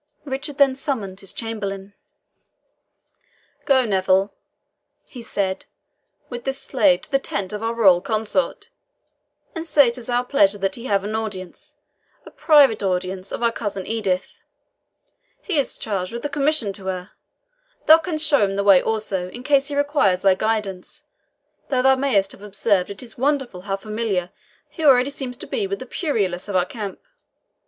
Richard then summoned his chamberlain. "Go, Neville," he said, "with this slave to the tent of our royal consort, and say it is our pleasure that he have an audience a private audience of our cousin Edith. He is charged with a commission to her. Thou canst show him the way also, in case he requires thy guidance, though thou mayst have observed it is wonderful how familiar he already seems to be with the purlieus of our camp.